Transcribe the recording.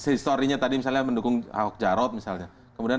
sehistorinya tadi misalnya mendukung ahok jarod misalnya